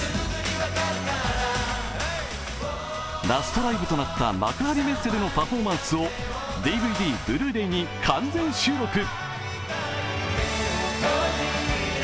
ラストライブとなった幕張メッセでのパフォーマンスをＤＶＤ、ブルーレイに完全収録。